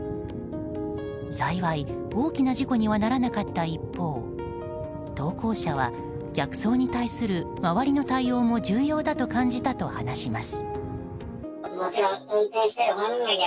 幸い、大きな事故にはならなかった一方投稿者は逆走に対する周りの対応も重要だと感じたと話します。